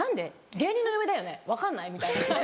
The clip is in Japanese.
芸人の嫁だよね分かんない？」みたいな感じ。